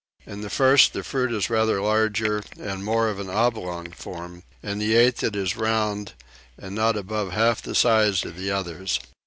In the first the fruit is rather larger and more of an oblong form: in the eighth it is round and not above half the size of the others.